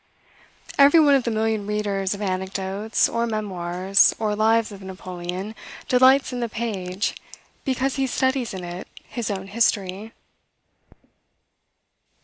Every one of the million readers of anecdotes, or memoirs, or lives of Napoleon, delights in the page, because he studies in it his own history.